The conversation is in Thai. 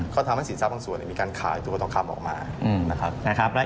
ก็ทำให้สินทรัพย์บางส่วนมีการขายตัวทองคำออกมานะครับ